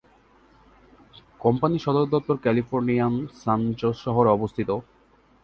কোম্পানিটির সদর-দপ্তর ক্যালিফোর্নিয়ার সান জোস শহরে অবস্থিত।